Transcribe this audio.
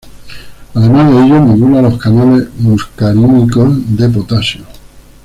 Además de ello, modula los canales muscarínicos de potasio.